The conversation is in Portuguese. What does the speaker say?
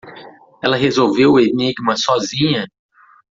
Ela resolveu o enigma sozinha?